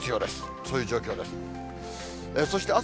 そういう状況です。